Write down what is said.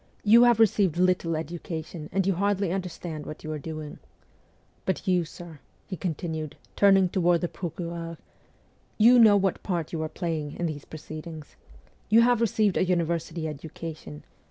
You have received little education, and you hardly understand what you are doing. But you, sir,' he continued, turning toward the procureur, ' you know what part you are playing in these pro ceedings. You have . received a university education.